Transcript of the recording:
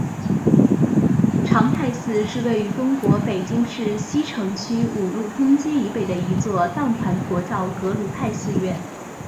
长泰寺是位于中国北京市西城区五路通街以北的一座藏传佛教格鲁派寺院。